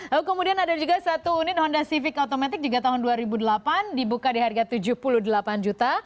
lalu kemudian ada juga satu unit honda civic automatic juga tahun dua ribu delapan dibuka di harga tujuh puluh delapan juta